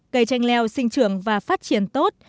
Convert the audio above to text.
cây tranh leo sinh trưởng và phát triển tốt